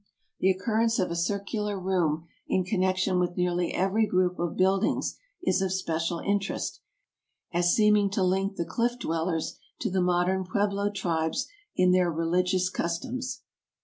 The occurrence of a circular room in connection with nearly every group of buildings is of special interest, as seeming to link the Cliff dwellers to the modern Pueblo tribes in their religious customs.